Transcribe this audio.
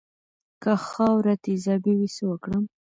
که خاوره تیزابي وي څه وکړم؟